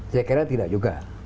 saya kira tidak juga